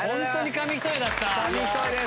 紙一重です。